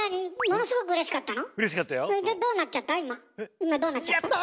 今どうなっちゃった？